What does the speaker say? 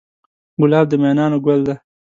ګلاب د مینانو ګل دی.